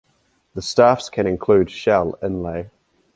The staffs can include shell inlay.